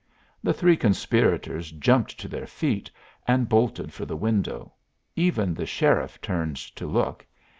The three conspirators jumped to their feet and bolted for the window; even the sheriff turned to look.